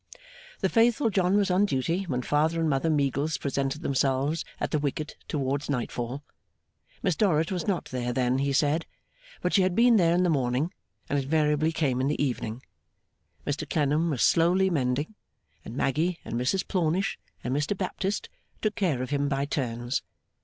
The faithful John was on duty when Father and Mother Meagles presented themselves at the wicket towards nightfall. Miss Dorrit was not there then, he said; but she had been there in the morning, and invariably came in the evening. Mr Clennam was slowly mending; and Maggy and Mrs Plornish and Mr Baptist took care of him by turns.